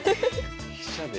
飛車で。